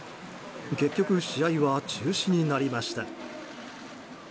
結局、試合は中止になりました。